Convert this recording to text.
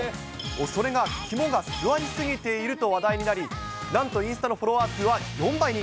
それが肝がすわりすぎていると話題になり、なんとインスタのフォロワー数は４倍に。